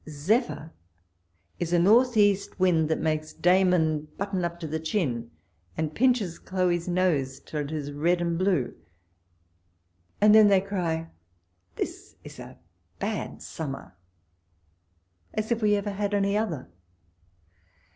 Zephyr is a north east wind, that makes Damon button up to the chin, and pinches Chloe's nose till it is red and blue ; and then they cry, This is a had summer! as if we ever had any other.